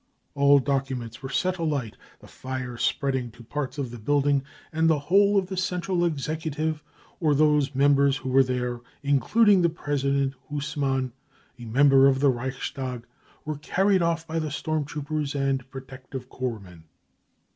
All documents were set alight, the fire spreading to parts of the building, and the whole of the Central Executive, or those members who were there, including the president, Husemann, a member of the Reichstag, were carried off by the storm troopers and protective corps men.